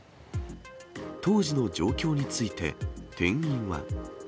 当時の状況について、店員は。